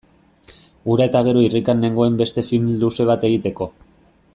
Hura eta gero irrikan nengoen beste film luze bat egiteko.